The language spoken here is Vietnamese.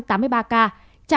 hà nội sáu ca